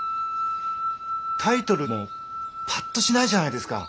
タイトルもパッとしないじゃないですか。